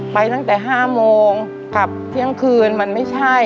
ไปตั้งแต่๕โมงกับเที่ยงคืนมันไม่ใช่